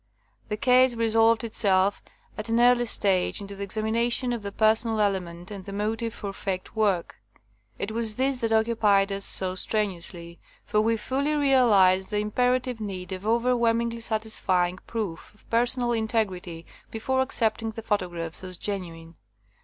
'' The case resolved itself at an early stage into the examination of the personal element and the motive for faked work. It was this that occupied us so strenuously, for we fully realized the imperative need of overwhelm ingly satisfying proof of personal integrity before accepting the photographs as genu ine.